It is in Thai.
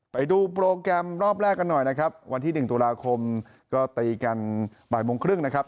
ไปดูโปรแกรมรอบแรกกันหน่อยนะครับวันที่๑ตุลาคมก็ตีกันบ่ายโมงครึ่งนะครับ